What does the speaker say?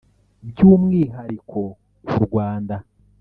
By’umwihariko ku Rwanda